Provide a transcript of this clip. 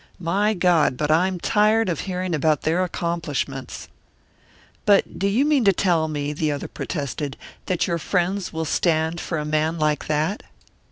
My God, but I'm tired of hearing about their accomplishments!" "But do you mean to tell me," the other protested, "that your friends will stand for a man like that?"